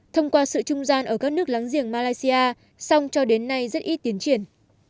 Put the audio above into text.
thông qua sự trung gian ở các nước láng giềng malaysia song cho đến nay rất ít tiến triển